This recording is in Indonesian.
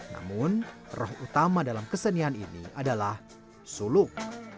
namun roh utama dalam kesenian ini adalah sulung